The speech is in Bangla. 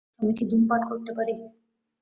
আমি কি ধূমপান করতে পারি?